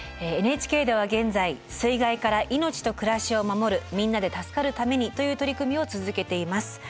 ＮＨＫでは現在「水害から命と暮らしを守るみんなで助かるために」という取り組みを続けています。